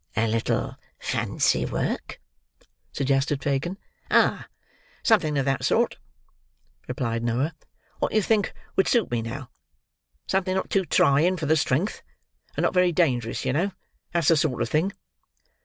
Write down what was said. "A little fancy work?" suggested Fagin. "Ah! something of that sort," replied Noah. "What do you think would suit me now? Something not too trying for the strength, and not very dangerous, you know. That's the sort of thing!"